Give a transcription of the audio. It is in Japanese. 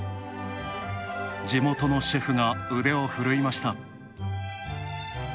地元のシェフが腕を振るいました。